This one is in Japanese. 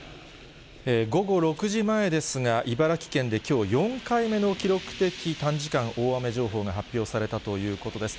午後６時前ですが、茨城県できょう、４回目の記録的短時間大雨情報が発表されたということです。